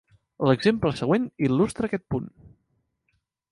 L'exemple següent il·lustra aquest punt.